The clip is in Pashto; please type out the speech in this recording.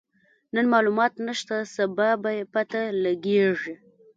نن مالومات نشته، سبا به يې پته لګيږي.